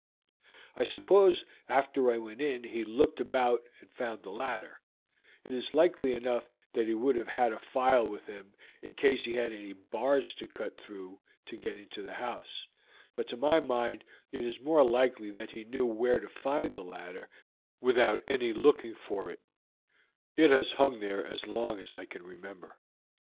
I suppose after I went in he looked about and found the ladder; it is likely enough that he would have had a file with him in case he had any bars to cut through to get into the house, but to my mind it is more likely that he knew where to find the ladder without any looking for it; it has hung there as long as I can remember."